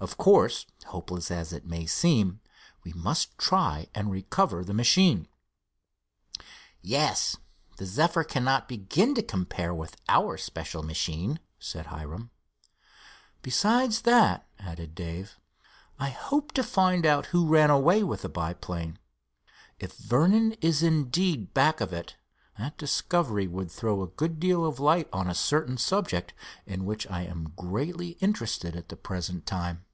Of course, hopeless as it may seem, we must try and recover the machine." "Yes, the Zephyr cannot begin to compare with our special machine," said Hiram. "Besides that," added Dave, "I hope to find out who ran away with the biplane. If Vernon is indeed back of it, that discovery would throw a good deal of light on a certain subject in which I am greatly interested at the present time."